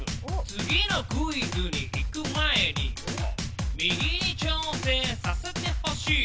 次のクイズに行く前に、右に調整させてほしい。